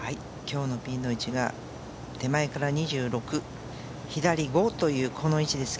今日のピンの位置が手前から２６、左５です。